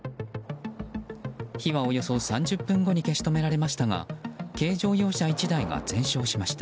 火はおよそ３０分後に消し止められましたが軽乗用車１台が全焼しました。